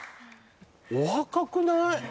お若くない？